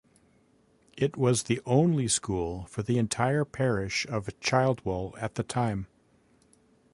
It was the only school for the entire parish of Childwall at the time.